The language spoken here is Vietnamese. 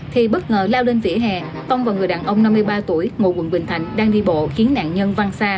thì bất ngờ lao lên vỉa hè tông vào người đàn ông năm mươi ba tuổi ngụ quận bình thạnh đang đi bộ khiến nạn nhân văn xa